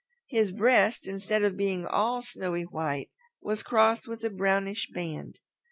His breast, instead of being all snowy white, was crossed with a brownish band.